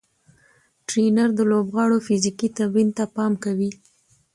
ټرېنر د لوبغاړو فزیکي تمرین ته پام کوي.